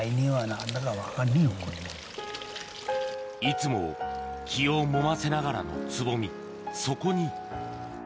いつも気をもませながらのつぼみ